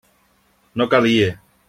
No calia.